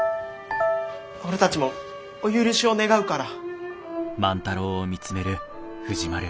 俺たちもお許しを願うから！